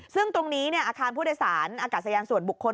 ซึ่งตรงนี้อาคารผู้โดยสารอากาศยานส่วนบุคคล